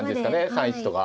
３一とか。